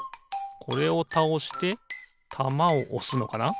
これをたおしてたまをおすのかな。